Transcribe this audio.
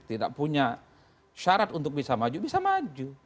tidak punya syarat untuk bisa maju bisa maju